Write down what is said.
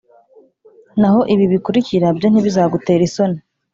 Naho ibi bikurikira byo, ntibizagutere isoni,